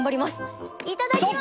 いただきます！